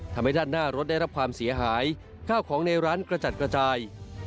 ทำให้ด้านหน้ารถได้รับความเสียหายข้าวของในร้านกระจัดกระจาย